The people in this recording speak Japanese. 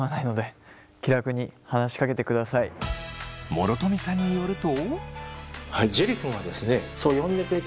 諸富さんによると。